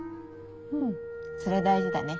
うんそれ大事だね。